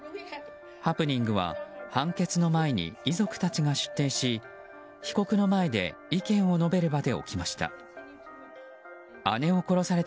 ハプニングは判決の前に遺族たちが出廷し被告の前で意見を述べる場で起きました。